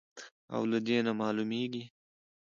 او له دې نه معلومېږي،